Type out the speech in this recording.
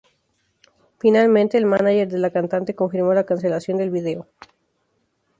Finalmente el mánager de la cantante confirmó la cancelación del video.